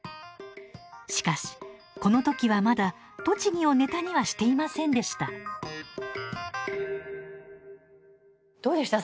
しかしこの時はまだ栃木をネタにはしていませんでしたどうでした？